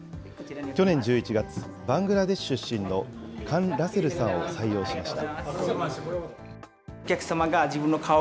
去年１１月、バングラデシュ出身のカン・ラセルさんを採用しました。